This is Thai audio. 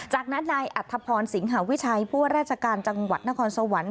จากนั้นนายอัธพรสิงหาวิชัยผู้ว่าราชการจังหวัดนครสวรรค์